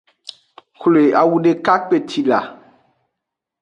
Xwle awu deka kpeci la.